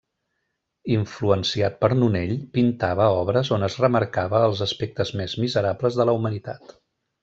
Influenciat per Nonell, pintava obres on es remarcava els aspectes més miserables de la humanitat.